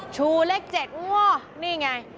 ชูเลข๗นี่ไง